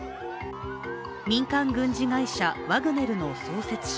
民間軍事会社ワグネルの創設者